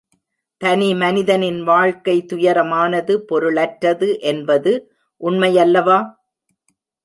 தனி மனிதனின் வாழ்க்கை துயரமானது, பொருளற்றது என்பது உண்மையல்லவா?